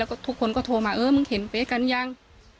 แล้วก็ทุกคนก็โทรมาเออมึงเห็นเป๊ะกันยัง